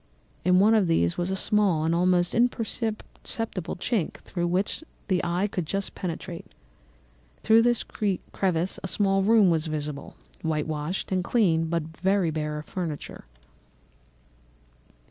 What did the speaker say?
In one of these was a small and almost imperceptible chink through which the eye could just penetrate. Through this crevice a small room was visible, whitewashed and clean but very bare of furniture.